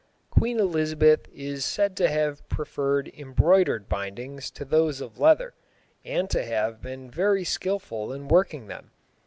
Queen Elizabeth is said to have preferred embroidered bindings to those of leather, and to have been very skilful in working them.